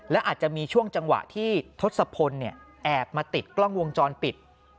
และอาจจะมีช่วงจังหวะที่ทศพลแอบมาติดกล้องวงจรปิด